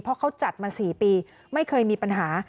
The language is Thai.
เพราะเขาจัดมา๔ปีไม่เคยมีปัญหา